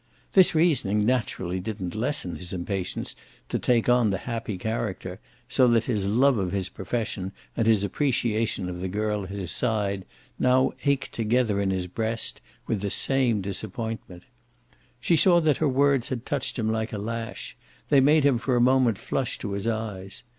This reasoning naturally didn't lessen his impatience to take on the happy character, so that his love of his profession and his appreciation of the girl at his side now ached together in his breast with the same disappointment. She saw that her words had touched him like a lash; they made him for a moment flush to his eyes.